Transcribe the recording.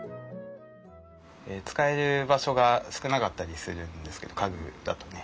使える場所が少なかったりするんですけど家具だとね。